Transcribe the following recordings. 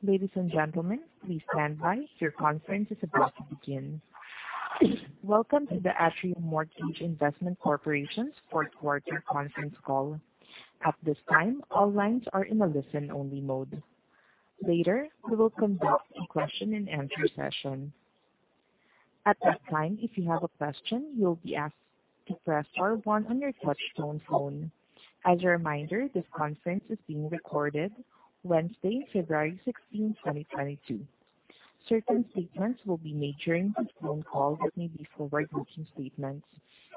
Welcome to the Atrium Mortgage Investment Corporation's fourth quarter conference call. At this time, all lines are in a listen-only mode. Later, we will conduct a question-and-answer session. At that time, if you have a question, you will be asked to press star one on your touchtone phone. As a reminder, this conference is being recorded Wednesday, February 16, 2022. Certain statements will be made during this phone call that may be forward-looking statements.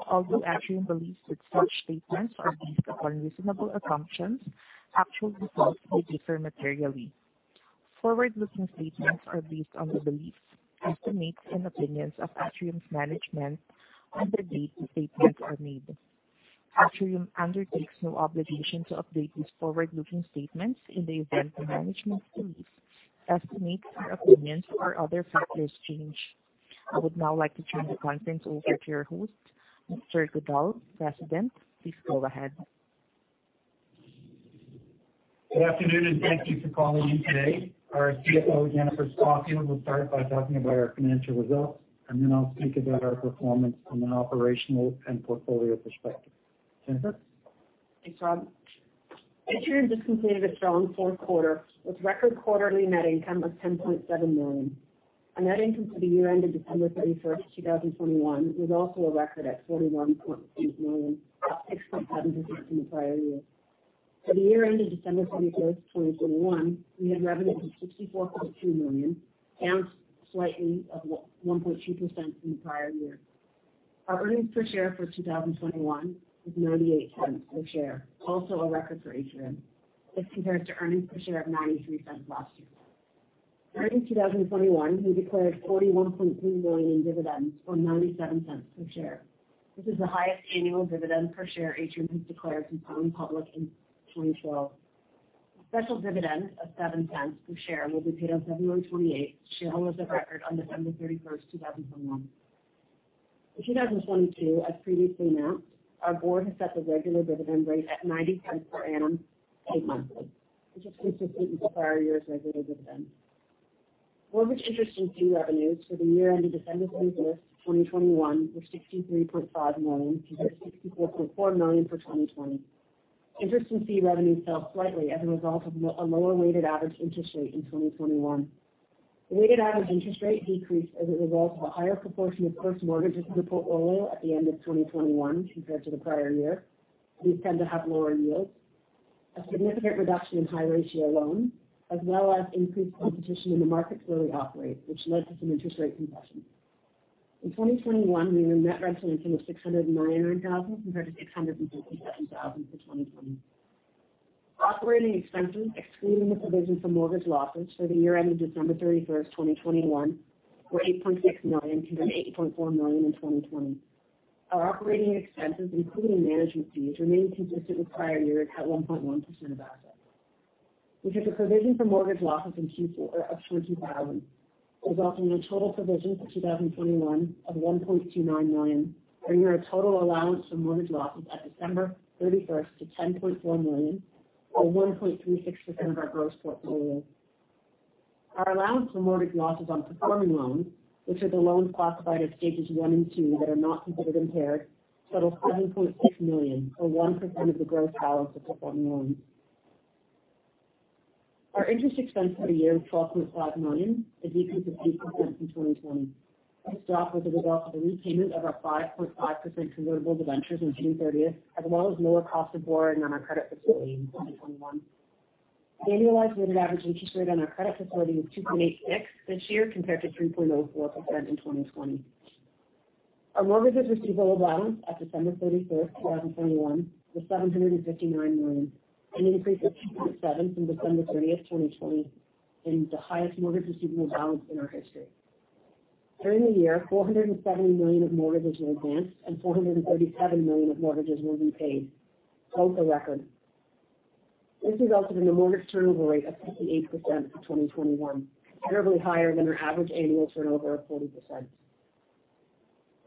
Although Atrium believes that such statements are based upon reasonable assumptions, actual results may differ materially. Forward-looking statements are based on the beliefs, estimates, and opinions of Atrium's management on the date the statements are made. Atrium undertakes no obligation to update these forward-looking statements in the event the management's beliefs, estimates, or opinions or other factors change. I would now like to turn the conference over to your host, Robert Goodall, President. Please go ahead. Good afternoon, and thank you for calling in today. Our CFO, Jennifer Scoffield, will start by talking about our financial results, and then I'll speak about our performance from an operational and portfolio perspective. Jennifer. Thanks, Rob. Atrium just completed a strong fourth quarter with record quarterly net income of 10.7 million. Our net income for the year ended December 31, 2021, was also a record at 41.8 million, up 6.7% from the prior year. For the year ended December 31, 2021, we had revenue of 64.2 million, down slightly or 1.2% from the prior year. Our earnings per share for 2021 was 0.98 per share, also a record for Atrium. This compares to earnings per share of 0.93 last year. During 2021, we declared 41.3 million in dividends or 0.97 per share. This is the highest annual dividend per share Atrium has declared since going public in 2012. A special dividend of 0.07 per share will be paid on February 28. Shares of record on December 31, 2021. In 2022, as previously announced, our board has set the regular dividend rate at 0.90 per annum, paid monthly, which is consistent with prior years' regular dividend. Mortgage interest and fee revenues for the year ended December 31, 2021, were 63.5 million, compared to 64.4 million for 2020. Interest and fee revenue fell slightly as a result of a lower weighted average interest rate in 2021. The weighted average interest rate decreased as a result of a higher proportion of first mortgages in the portfolio at the end of 2021 compared to the prior year. These tend to have lower yields. A significant reduction in high-ratio loans, as well as increased competition in the markets where we operate, which led to some interest rate compression. In 2021, we had a net rental income of 699,000 compared to 657,000 for 2020. Operating expenses, excluding the provision for mortgage losses for the year ended December 31, 2021, were 8.6 million compared to 8.4 million in 2020. Our operating expenses, including management fees, remained consistent with prior years at 1.1% of assets. We took a provision for mortgage losses in Q4 of 20,000, resulting in total provision for 2021 of 1.29 million, bringing our total allowance for mortgage losses at December 31 to 10.4 million, or 1.36% of our gross portfolio. Our allowance for mortgage losses on performing loans, which are the loans classified as stages one and two that are not considered impaired, total 7.6 million, or 1% of the gross balance of performing loans. Our interest expense for the year was 12.5 million, a decrease of 8% from 2020. This drop was a result of the repayment of our 5.5% convertible debentures on June 30, as well as lower cost of borrowing on our credit facility in 2021. Annualized weighted average interest rate on our credit facility was 2.86% this year compared to 3.04% in 2020. Our mortgages receivable balance at December 31, 2021, was 759 million, an increase of 2.7% from December 30, 2020, and the highest mortgage receivable balance in our history. During the year, 470 million of mortgages were advanced and 437 million of mortgages were repaid, both a record. This resulted in a mortgage turnover rate of 58% for 2021, considerably higher than our average annual turnover of 40%.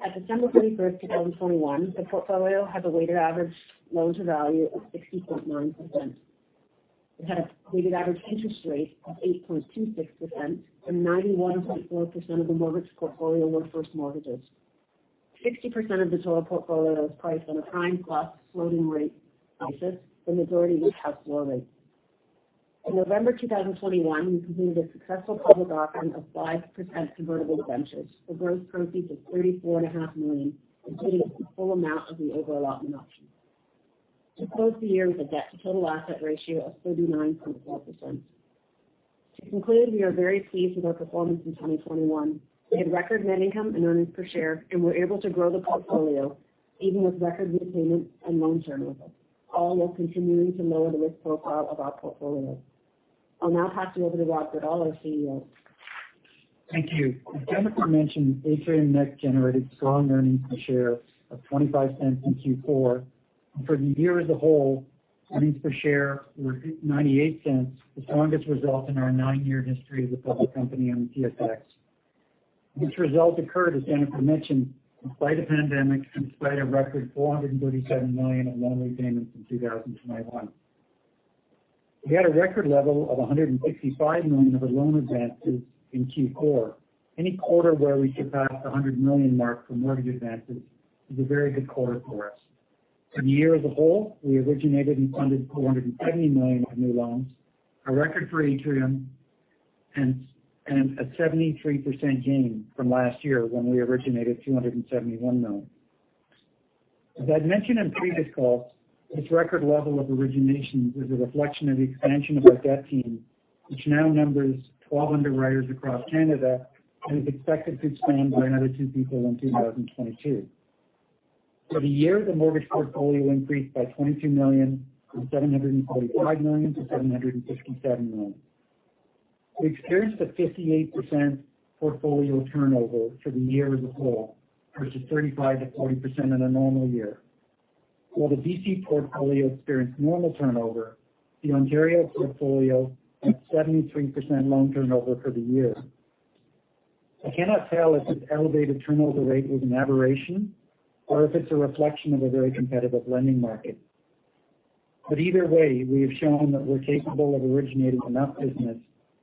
At December 31, 2021, the portfolio had a weighted average loan-to-value of 60.9%. It had a weighted average interest rate of 8.26%, and 91.4% of the mortgage portfolio were first mortgages. 60% of the total portfolio was priced on a prime plus floating rate basis, the majority with a floor rate. In November 2021, we completed a successful public offering of 5% convertible debentures for gross proceeds of 34.5 million, including the full amount of the overallotment option, to close the year with a debt-to-total asset ratio of 39.4%. To conclude, we are very pleased with our performance in 2021. We had record net income and earnings per share, and were able to grow the portfolio even with record repayments and loan turnover, all while continuing to lower the risk profile of our portfolio. I'll now pass it over to Rob Goodall, our CEO. Thank you. As Jennifer mentioned, Atrium net generated strong earnings per share of 0.25 in Q4. For the year as a whole, earnings per share were 0.98, the strongest result in our 9-year history as a public company on the TSX. This result occurred, as Jennifer mentioned, in spite of pandemic, in spite of record 437 million of loan repayments in 2021. We had a record level of 165 million of loan advances in Q4. Any quarter where we get past 100 million mark for mortgage advances is a very good quarter for us. For the year as a whole, we originated and funded 470 million of new loans, a record for Atrium and a 73% gain from last year when we originated 271 million. As I've mentioned on previous calls, this record level of originations is a reflection of the expansion of our debt team, which now numbers 12 underwriters across Canada and is expected to expand by another two people in 2022. For the year, the mortgage portfolio increased by 22 million from 745 million to 767 million. We experienced a 58% portfolio turnover for the year as a whole, versus 35%-40% in a normal year. While the BC portfolio experienced normal turnover, the Ontario portfolio had 73% loan turnover for the year. I cannot tell if this elevated turnover rate was an aberration or if it's a reflection of a very competitive lending market. Either way, we have shown that we're capable of originating enough business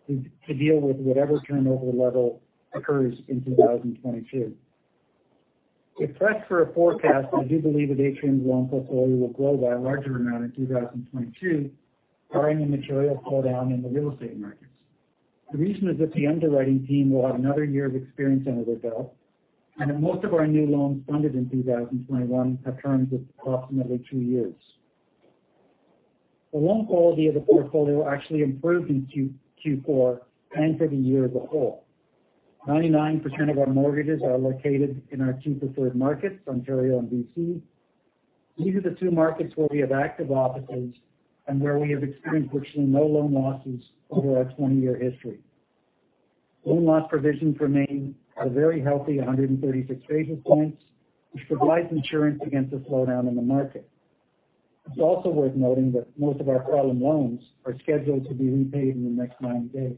to deal with whatever turnover level occurs in 2022. If pressed for a forecast, I do believe that Atrium's loan portfolio will grow by a larger amount in 2022, barring a material downturn in the real estate markets. The reason is that the underwriting team will have another year of experience under their belt, and that most of our new loans funded in 2021 have terms of approximately two years. The loan quality of the portfolio actually improved in Q4 and for the year as a whole. 99% of our mortgages are located in our two preferred markets, Ontario and BC. These are the two markets where we have active offices and where we have experienced virtually no loan losses over our 20-year history. Loan loss provision remains at a very healthy 136 basis points, which provides insurance against a slowdown in the market. It's also worth noting that most of our problem loans are scheduled to be repaid in the next 90 days.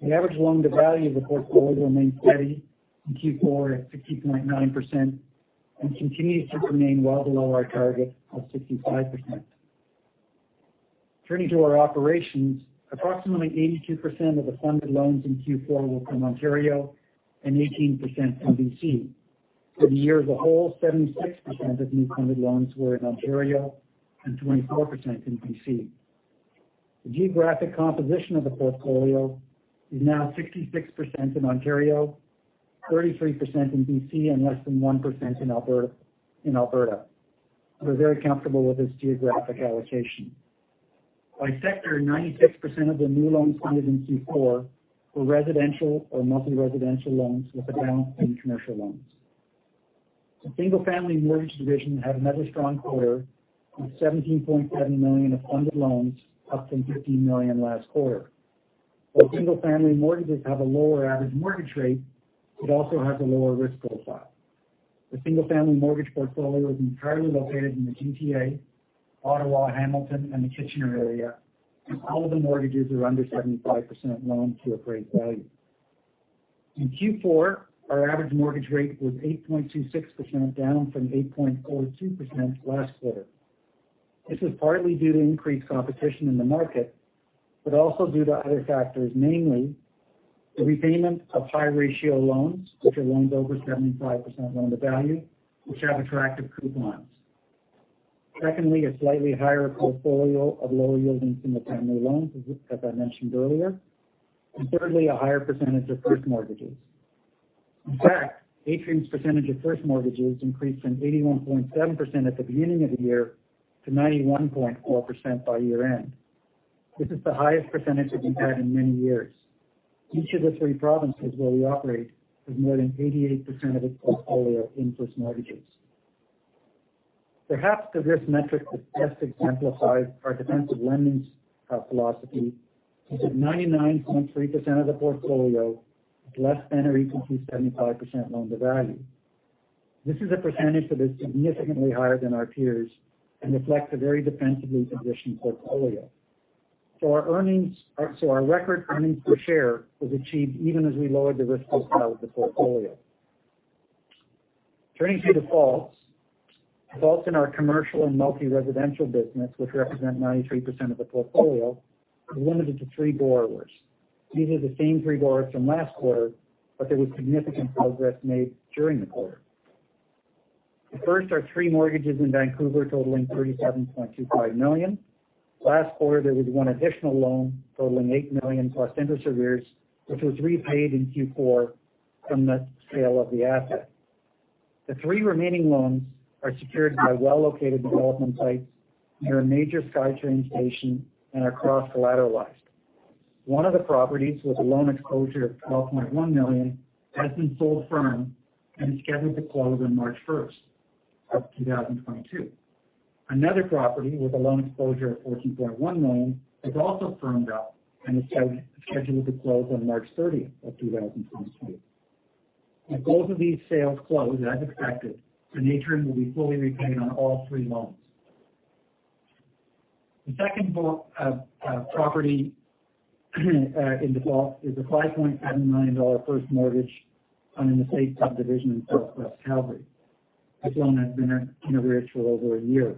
The average loan-to-value of the portfolio remained steady in Q4 at 60.9% and continues to remain well below our target of 65%. Turning to our operations. Approximately 82% of the funded loans in Q4 were from Ontario and 18% from BC. For the year as a whole, 76% of new funded loans were in Ontario and 24% in BC. The geographic composition of the portfolio is now 66% in Ontario, 33% in BC, and less than 1% in Alberta. We're very comfortable with this geographic allocation. By sector, 96% of the new loans funded in Q4 were residential or multi-residential loans, with the balance being commercial loans. The single-family mortgage division had another strong quarter with 17.7 million of funded loans, up from 15 million last quarter. While single-family mortgages have a lower average mortgage rate, it also has a lower risk profile. The single-family mortgage portfolio is entirely located in the GTA, Ottawa, Hamilton, and the Kitchener area, and all the mortgages are under 75% loan to appraised value. In Q4, our average mortgage rate was 8.26%, down from 8.42% last quarter. This is partly due to increased competition in the market, but also due to other factors, namely the repayment of high-ratio loans, which are loans over 75% loan to value, which have attractive coupons. Secondly, a slightly higher portfolio of lower-yielding single-family loans, as I mentioned earlier. Thirdly, a higher percentage of first mortgages. In fact, Atrium's percentage of first mortgages increased from 81.7% at the beginning of the year to 91.4% by year-end. This is the highest percentage we've had in many years. Each of the three provinces where we operate has more than 88% of its portfolio in first mortgages. Perhaps the risk metric that best exemplifies our defensive lending philosophy is that 99.3% of the portfolio is less than or equal to 75% loan-to-value. This is a percentage that is significantly higher than our peers and reflects a very defensively positioned portfolio. Our record earnings per share was achieved even as we lowered the risk profile of the portfolio. Turning to defaults. Defaults in our commercial and multi-residential business, which represent 93% of the portfolio, were limited to three borrowers. These are the same three borrowers from last quarter, but there was significant progress made during the quarter. The first are three mortgages in Vancouver totaling 37.25 million. Last quarter, there was one additional loan totaling 8 million plus interest arrears, which was repaid in Q4 from the sale of the asset. The three remaining loans are secured by well-located development sites. They are near a major SkyTrain station and are cross-collateralized. One of the properties with a loan exposure of 12.1 million has been sold firm and is scheduled to close on March 1, 2022. Another property with a loan exposure of 14.1 million has also firmed up and is scheduled to close on March 30, 2022. If both of these sales close as expected, Atrium will be fully repaid on all three loans. The second property in default is a 5.7 million dollar first mortgage on an estate subdivision in Southwest Calgary. This loan has been in arrears for over a year.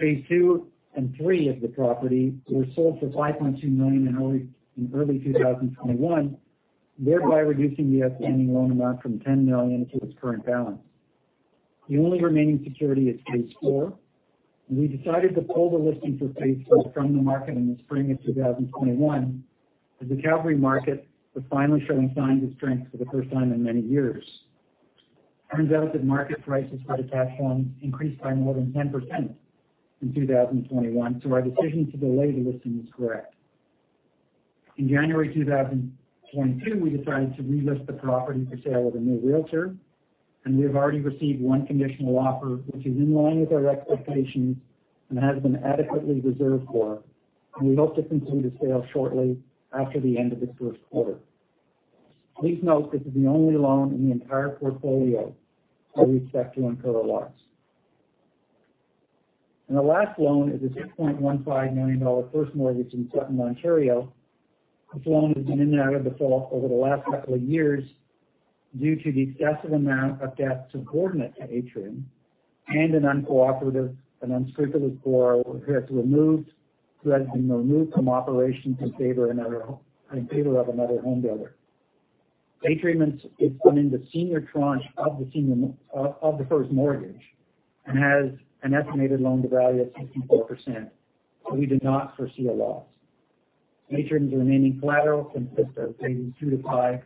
Phase II and III of the property were sold for 5.2 million in early 2021, thereby reducing the outstanding loan amount from 10 million to its current balance. The only remaining security is phase four, and we decided to pull the listing for phase IV from the market in the spring of 2021 as the Calgary market was finally showing signs of strength for the first time in many years. Turns out that market prices for detached homes increased by more than 10% in 2021, so our decision to delay the listing was correct. In January 2022, we decided to re-list the property for sale with a new realtor, and we have already received one conditional offer, which is in line with our expectations and has been adequately reserved for, and we hope to conclude the sale shortly after the end of this first quarter. Please note this is the only loan in the entire portfolio that we expect to incur a loss. The last loan is a 6.15 million dollar first mortgage in Sutton, Ontario. This loan has been in and out of default over the last couple of years due to the excessive amount of debt subordinate to Atrium and an uncooperative and unscrupulous borrower who has been removed from operation in favor of another homebuilder. Atrium is holding the senior tranche of the first mortgage and has an estimated loan-to-value of 64%, so we do not foresee a loss. Atrium's remaining collateral consists of phases II to V,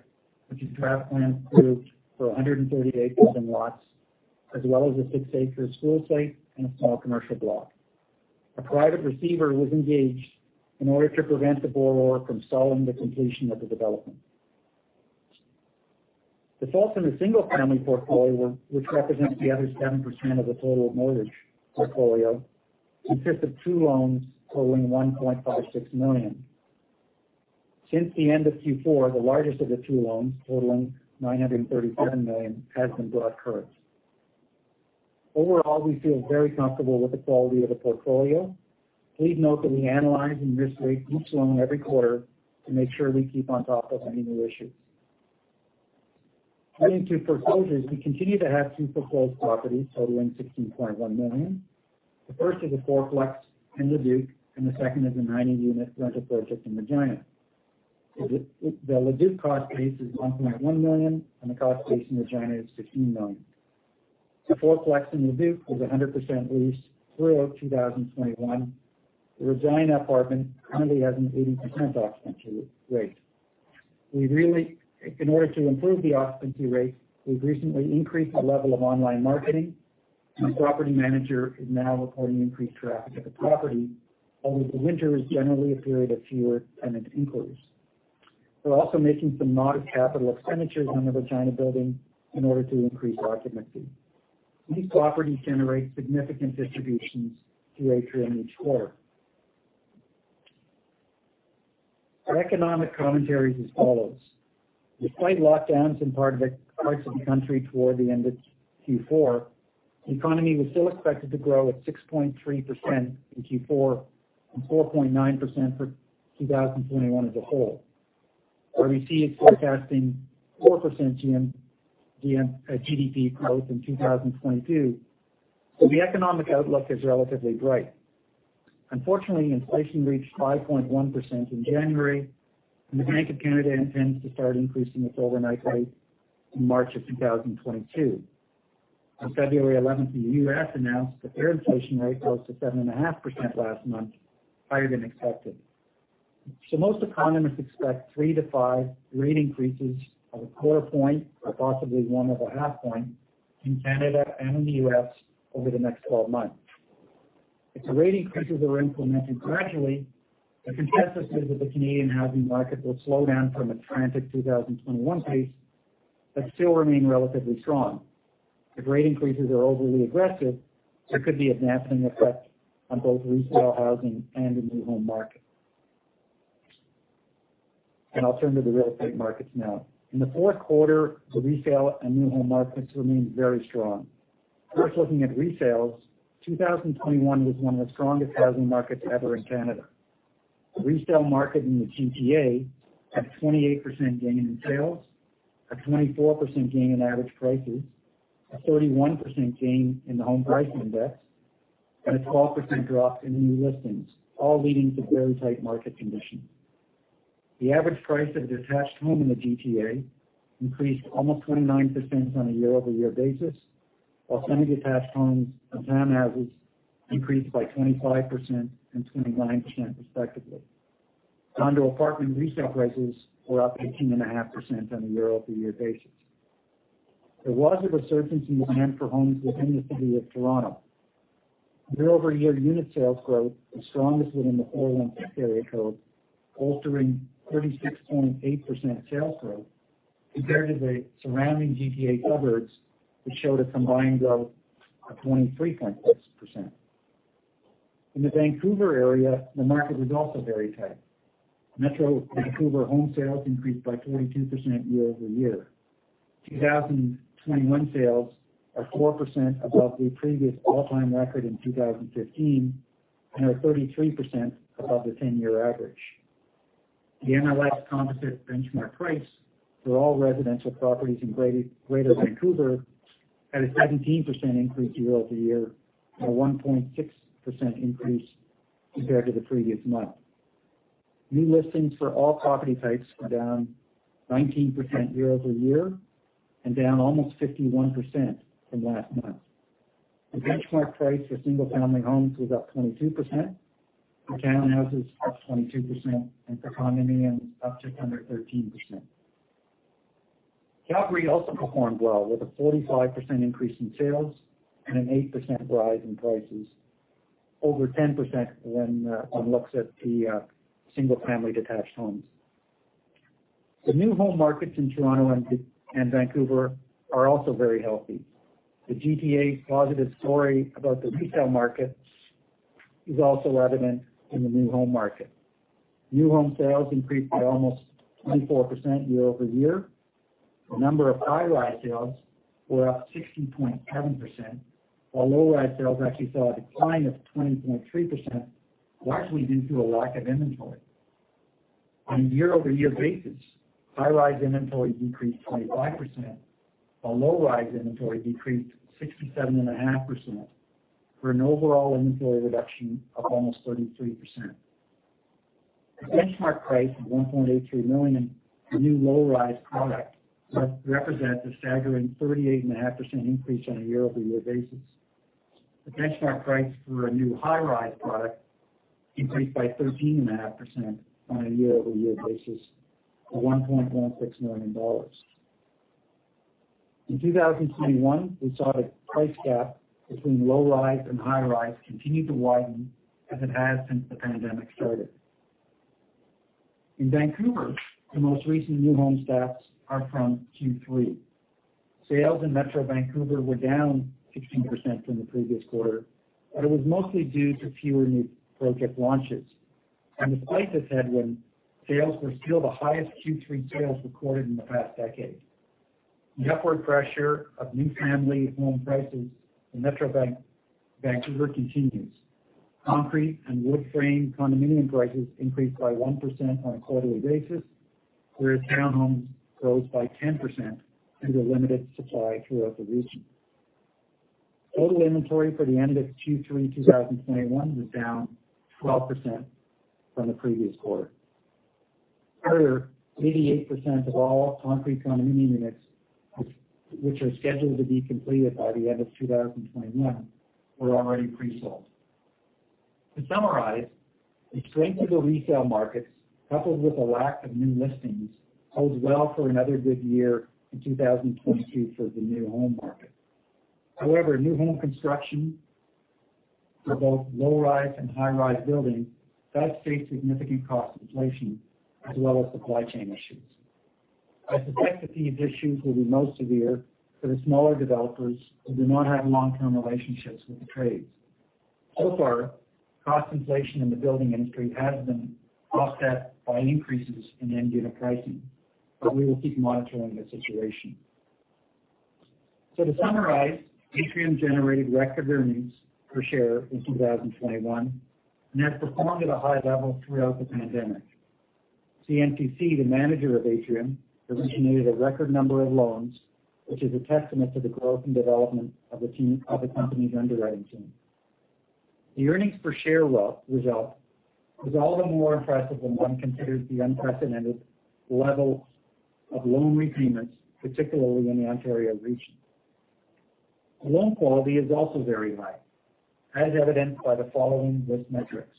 which is draft plan approved for 138 lots, as well as a 6-acre school site and a small commercial block. A private receiver was engaged in order to prevent the borrower from stalling the completion of the development. The defaults in the single family portfolio, which represents the other 7% of the total mortgage portfolio, consists of 2 loans totaling 1.56 million. Since the end of Q4, the largest of the 2 loans totaling 937 thousand has been brought current. Overall, we feel very comfortable with the quality of the portfolio. Please note that we analyze and risk rate each loan every quarter to make sure we keep on top of any new issues. Turning to foreclosures, we continue to have 2 foreclosed properties totaling 16.1 million. The first is a four-plex in Leduc, and the second is a 90-unit rental project in Regina. The Leduc cost base is 1.1 million, and the cost base in Regina is 16 million. The four-plex in Leduc is 100% leased through 2021. The Regina apartment currently has an 80% occupancy rate. In order to improve the occupancy rate, we've recently increased our level of online marketing. Our property manager is now reporting increased traffic at the property, although the winter is generally a period of fewer tenant inquiries. We're also making some modest capital expenditures on the Regina building in order to increase occupancy. These properties generate significant distributions to Atrium each quarter. Our economic commentary is as follows. Despite lockdowns in parts of the country toward the end of Q4, the economy was still expected to grow at 6.3% in Q4 and 4.9% for 2021 as a whole. RBC is forecasting 4% GDP growth in 2022. The economic outlook is relatively bright. Unfortunately, inflation reached 5.1% in January, and the Bank of Canada intends to start increasing its overnight rate in March of 2022. On February 11, the U.S. announced that their inflation rate rose to 7.5% last month, higher than expected. Most economists expect 3-5 rate increases of 0.25 point or possibly one of 0.5 point in Canada and in the U.S. over the next 12 months. If the rate increases are implemented gradually, the consensus is that the Canadian housing market will slow down from a frantic 2021 pace but still remain relatively strong. If rate increases are overly aggressive, there could be a dampening effect on both resale housing and the new home market. I'll turn to the real estate markets now. In the fourth quarter, the resale and new home markets remained very strong. First, looking at resales, 2021 was one of the strongest housing markets ever in Canada. The resale market in the GTA had a 28% gain in sales, a 24% gain in average prices, a 31% gain in the Home Price Index, and a 12% drop in new listings, all leading to very tight market conditions. The average price of a detached home in the GTA increased almost 29% on a year-over-year basis, while semi-detached homes and townhouses increased by 25% and 29% respectively. Condo apartment resale prices were up 18.5% on a year-over-year basis. There was a resurgence in demand for homes within the city of Toronto. Year-over-year unit sales growth was strongest within the 416 area code, with 36.8% sales growth compared to the surrounding GTA suburbs, which showed a combined growth of 23.6%. In the Vancouver area, the market was also very tight. Metro Vancouver home sales increased by 22% year-over-year. 2021 sales are 4% above the previous all-time record in 2015 and are 33% above the 10-year average. The MLS Composite Benchmark Price for all residential properties in Greater Vancouver had a 17% increase year-over-year and a 1.6% increase compared to the previous month. New listings for all property types were down 19% year-over-year and down almost 51% from last month. The benchmark price for single-family homes was up 22%, for townhouses up 22%, and for condominiums up 213%. Calgary also performed well with a 45% increase in sales and an 8% rise in prices. Over 10% when one looks at the single family detached homes. The new home markets in Toronto and Vancouver are also very healthy. The GTA's positive story about the resale market is also evident in the new home market. New home sales increased by almost 24% year-over-year. The number of high-rise sales were up 60.7%, while low-rise sales actually saw a decline of 20.3%, largely due to a lack of inventory. On a year-over-year basis, high-rise inventory decreased 25%, while low-rise inventory decreased 67.5% for an overall inventory reduction of almost 33%. The benchmark price of 1.83 million for new low-rise product represents a staggering 38.5% increase on a year-over-year basis. The benchmark price for a new high-rise product increased by 13.5% on a year-over-year basis to 1.16 million dollars. In 2021, we saw the price gap between low-rise and high-rise continue to widen as it has since the pandemic started. In Vancouver, the most recent new home stats are from Q3. Sales in Metro Vancouver were down 16% from the previous quarter, but it was mostly due to fewer new project launches. Despite this headwind, sales were still the highest Q3 sales recorded in the past decade. The upward pressure of new family home prices in Metro Vancouver continues. Concrete and wood frame condominium prices increased by 1% on a quarterly basis, whereas townhomes rose by 10% due to limited supply throughout the region. Total inventory for the end of Q3 2021 was down 12% from the previous quarter. Further, 88% of all concrete condominium units, which are scheduled to be completed by the end of 2021, were already presold. To summarize, the strength of the resale markets, coupled with a lack of new listings, bodes well for another good year in 2022 for the new home market. However, new home construction for both low-rise and high-rise buildings does face significant cost inflation as well as supply chain issues. I suspect that these issues will be most severe for the smaller developers who do not have long-term relationships with the trades. So far, cost inflation in the building industry has been offset by increases in end unit pricing, but we will keep monitoring the situation. To summarize, Atrium generated record earnings per share in 2021 and has performed at a high level throughout the pandemic. CMCC, the manager of Atrium, originated a record number of loans, which is a testament to the growth and development of the team of the company's underwriting team. The earnings per share result is all the more impressive when one considers the unprecedented levels of loan repayments, particularly in the Ontario region. Loan quality is also very high, as evidenced by the following risk metrics.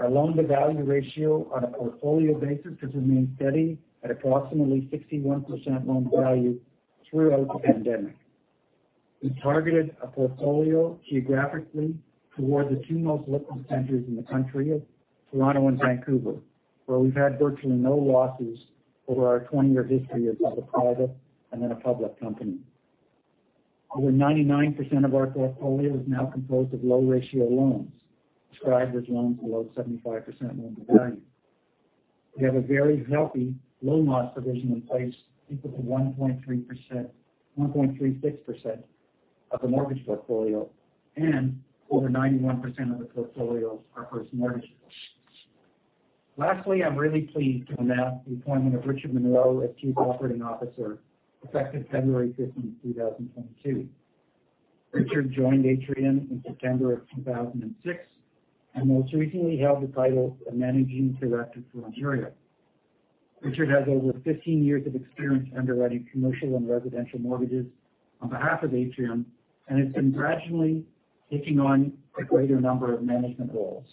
Our loan-to-value ratio on a portfolio basis has remained steady at approximately 61% loan to value throughout the pandemic. We targeted a portfolio geographically toward the two most liquid centers in the country of Toronto and Vancouver, where we've had virtually no losses over our 20-year history as a private and then a public company. Over 99% of our portfolio is now composed of low-ratio loans, described as loans below 75% loan to value. We have a very healthy loan loss provision in place, equal to 1.3%-1.36% of the mortgage portfolio, and over 91% of the portfolio are first mortgages. Lastly, I'm really pleased to announce the appointment of Richard Munroe as Chief Operating Officer, effective February 15, 2022. Richard joined Atrium in September 2006 and most recently held the title of Managing Director for Ontario. Richard has over 15 years of experience underwriting commercial and residential mortgages on behalf of Atrium and has been gradually taking on a greater number of management roles.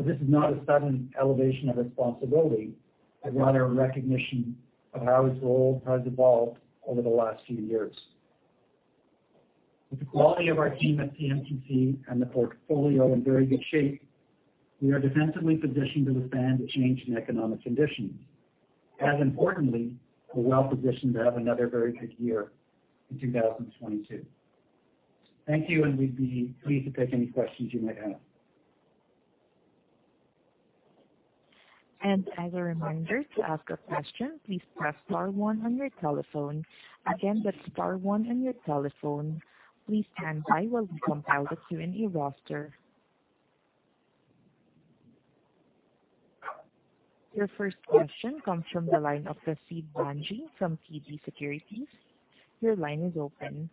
This is not a sudden elevation of responsibility, but rather a recognition of how his role has evolved over the last few years. With the quality of our team at CMCC and the portfolio in very good shape, we are defensively positioned to withstand a change in economic conditions. As importantly, we're well positioned to have another very good year in 2022. Thank you, and we'd be pleased to take any questions you might have. As a reminder, to ask a question, please press star one on your telephone. Again, that's star one on your telephone. Please stand by while we compile the Q&A roster. Your first question comes from the line of Rasib Bhanji from TD Securities. Your line is open.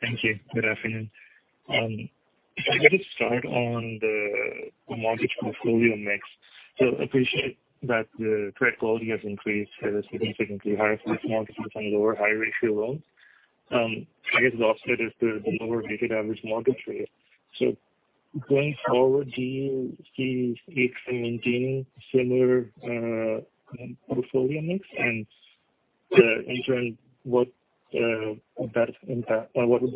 Thank you. Good afternoon. If I could just start on the mortgage portfolio mix. Appreciate that the credit quality has increased with a significantly higher first mortgages and lower high-ratio loans. I guess the offset is the lower weighted average mortgage rate. Going forward, do you see Atrium maintaining similar portfolio mix? In turn, what would the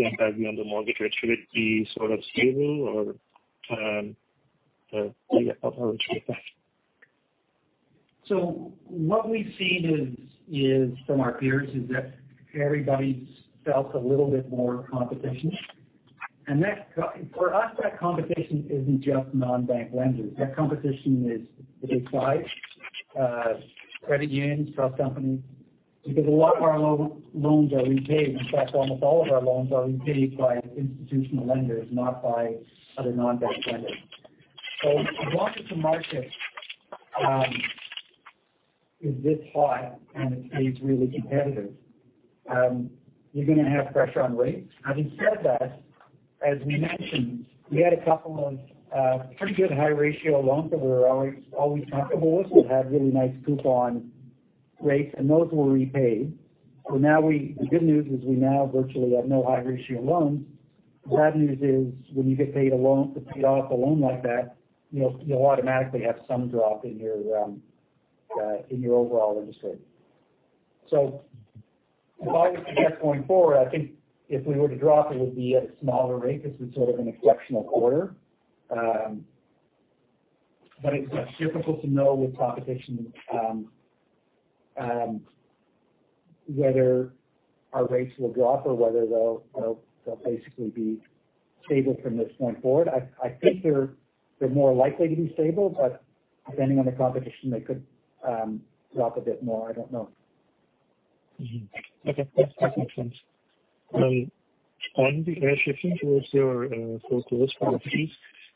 impact be on the mortgage rate? Should it be sort of stable or how should we expect? What we've seen from our peers is that everybody's felt a little bit more competition. That competition for us isn't just non-bank lenders. That competition is wide, credit unions, trust companies, because a lot of our loans are repaid. In fact, almost all of our loans are repaid by institutional lenders, not by other non-bank lenders. As long as the market is this high and it stays really competitive, you're gonna have pressure on rates. Having said that, as we mentioned, we had a couple of pretty good high-ratio loans that we were always comfortable with. We had really nice coupon rates, and those were repaid. Now the good news is we virtually have no high-ratio loans. The bad news is when a loan gets paid off like that, you know, you'll automatically have some drop in your overall income. As we go forward, I think if we were to drop, it would be at a smaller rate because it's sort of an exceptional quarter. It's difficult to know with competition whether our rates will drop or whether they'll basically be stable from this point forward. I think they're more likely to be stable, but depending on the competition, they could drop a bit more. I don't know. Mm-hmm. Okay. That makes sense. Shifting towards your foreclosed properties,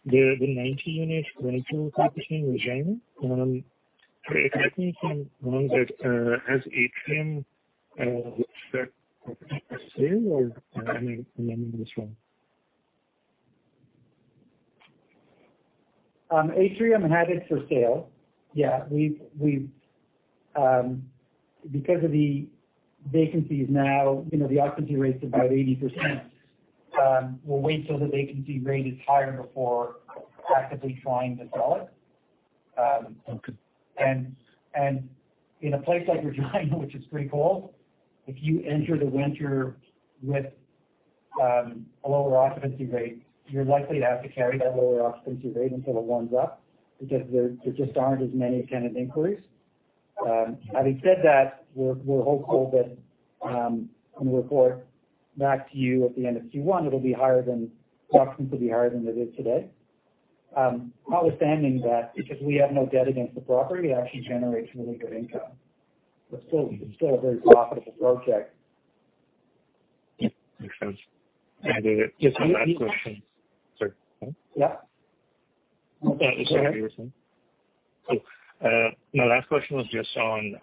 the 90-unit rental property in Regina, am I correct in knowing that as Atrium was set for sale, or am I wrong? Atrium had it for sale. Yeah. Because of the vacancies now, you know, the occupancy rate's about 80%, we'll wait till the vacancy rate is higher before actively trying to sell it. Okay. In a place like Regina, which is pretty cold, if you enter the winter with a lower occupancy rate, you're likely to have to carry that lower occupancy rate until it warms up because there just aren't as many tenant inquiries. Having said that, we're hopeful that when we report back to you at the end of Q1, occupancy will be higher than it is today. Notwithstanding that, because we have no debt against the property, it actually generates really good income. It's still a very profitable project. Yeah. Makes sense. Just one last question. Sorry. Yeah. Go ahead. My last question was just on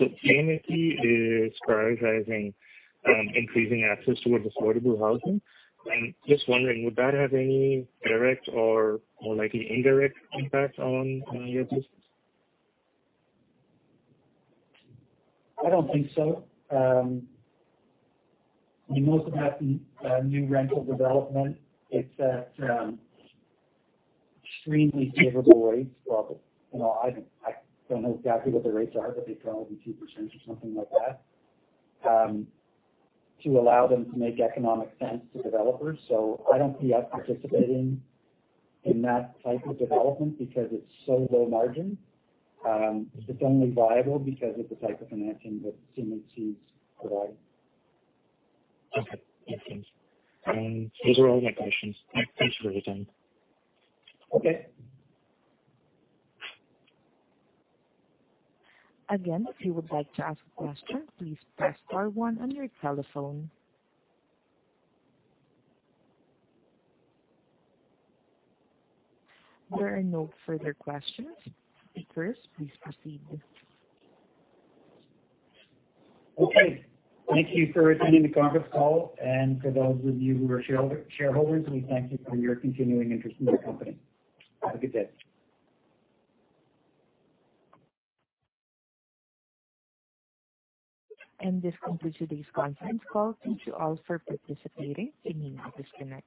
CMHC prioritizing increasing access towards affordable housing. I'm just wondering, would that have any direct or more likely indirect impact on your business? I don't think so. Most of that new rental development, it's at extremely favorable rates. Well, you know, I don't know exactly what the rates are, but they start with 2% or something like that, to allow them to make economic sense to developers. I don't see us participating in that type of development because it's so low margin. It's only viable because of the type of financing that CMHCs provide. Okay. Makes sense. Those are all my questions. Thank you for your time. Okay. Again, if you would like to ask a question, please press star one on your telephone. There are no further questions. Speakers, please proceed. Okay. Thank you for attending the conference call. For those of you who are shareholders, we thank you for your continuing interest in our company. Have a good day. This concludes today's conference call. Thank you all for participating. You may now disconnect.